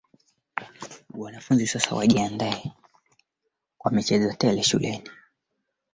Kwenye moto ya majaribu usichomeke.